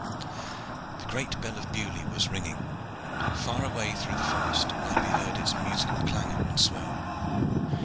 The great bell of Beaulieu was ringing. Far away through the forest might be heard its musical clangor and swell.